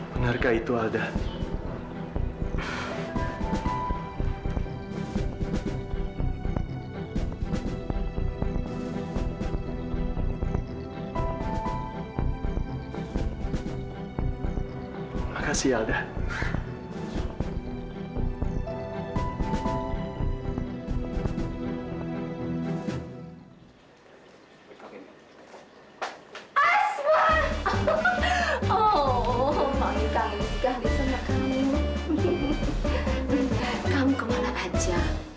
benarkah itu alda